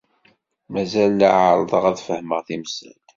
Mazal la ɛerrḍeɣ ad fehmeɣ timsal.